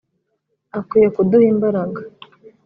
akwiye kuduha imbaraga